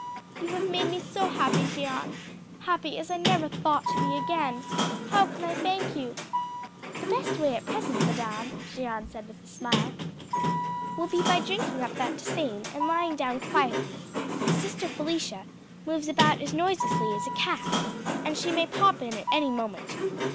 "You have made me so happy, Jeanne; happy as I never thought to be again. How can I thank you?" "The best way at present, madam," Jeanne said with a smile, "will be by drinking up that tisane, and lying down quietly. Sister Felicia moves about as noiselessly as a cat, and she may pop in at any moment.